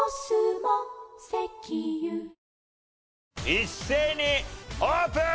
一斉にオープン！